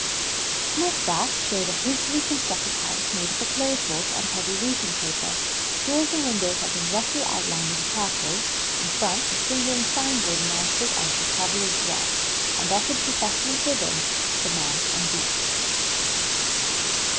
The next act showed a hastily constructed house made of a clothes horse and heavy roofing paper. Doors and windows had been roughly outlined in charcoal. In front, a swinging sign board announced it as the "Traveller's Rest" and offered refreshment within for man and beast.